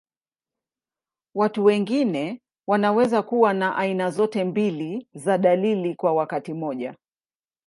Watu wengine wanaweza kuwa na aina zote mbili za dalili kwa wakati mmoja.